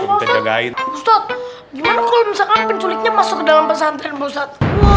ustadz gimana kalo misalkan penculiknya masuk ke dalam pesantren bu ustadz